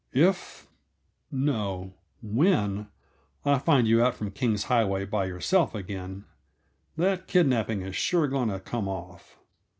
If no, when I find you out from King's Highway by yourself again, that kidnaping is sure going to come off.